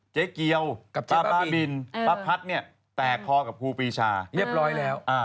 เจ๊เกี๊ยวป้าป้าบินป๊าพัทเนี่ยแตกคอกับคุกปีชาเย็บร้อยแล้ว